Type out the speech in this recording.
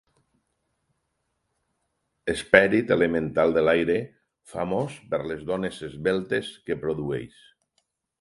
Esperit elemental de l'aire famós per les dones esveltes que produeix.